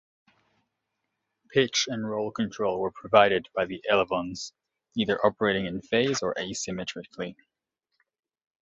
Pitch and roll control were provided by elevons either operating in phase or asymmetrically.